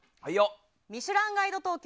「ミシュランガイド東京」